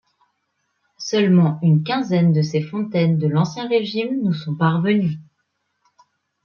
Seulement une quinzaine de ces fontaines de l'Ancien Régime nous sont parvenues.